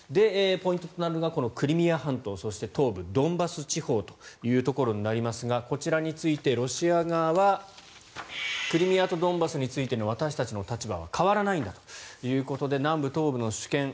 ポイントとなるのがクリミア半島そして東部ドンバス地方というところになりますがこちらについてロシア側はクリミアとドンバスについての私たちの立場は変わらないんだということで南部、東部の主権